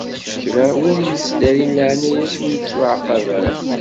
Kra n win yettdarin leɛnaya-s, ur ittuɛaqab ara.